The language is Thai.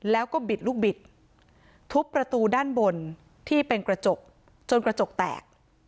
แล้วก็บิดลูกบิดทุบประตูด้านบนที่เป็นกระจกจนกระจกแตก